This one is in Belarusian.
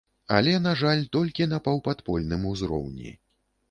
Але, на жаль, толькі на паўпадпольным узроўні.